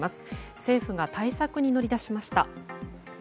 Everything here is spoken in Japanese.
政府が対策に乗り出しました。